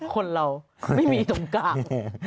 คนเรานี่ฉันไม่มีตรงกลาง